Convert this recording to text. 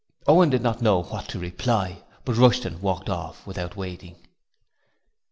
Owen did not know what to reply, but Rushton walked off without waiting...